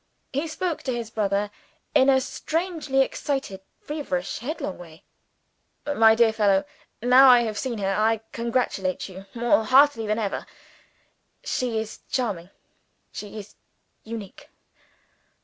He spoke to his brother in a strangely excited, feverish, headlong way. "My dear fellow, now I have seen her, I congratulate you more heartily than ever. She is charming; she is unique.